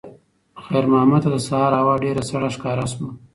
خیر محمد ته د سهار هوا ډېره سړه ښکاره شوه.